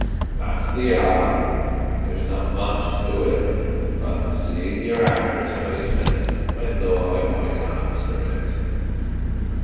That's the yarn. There's not much to it, but, seein' your advertisement, I thought I might answer it."